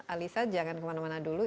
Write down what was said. alisa jangan kemana mana dulu